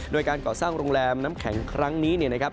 โดยการก่อสร้างโรงแรมน้ำแข็งครั้งนี้เนี่ยนะครับ